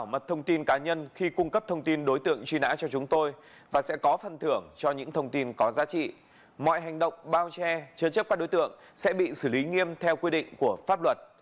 mọi hành động bao che chấn chấp các đối tượng sẽ bị xử lý nghiêm theo quy định của pháp luật